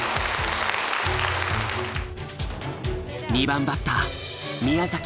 ２番バッター宮崎